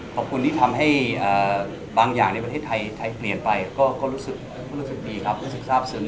ขอบคุณที่ทำให้บางอย่างในประเทศไทยไทยเปลี่ยนไปก็รู้สึกดีครับรู้สึกทราบซึ้ง